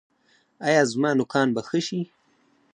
ایا زما نوکان به ښه شي؟